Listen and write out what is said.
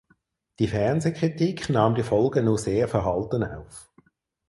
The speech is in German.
Die Fernsehkritik nahm die Folge nur sehr verhalten auf.